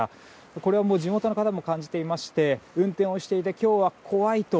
これは地元の方も感じていて運転をしていて今日は怖いと。